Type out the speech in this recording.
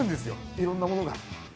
いろんなものが。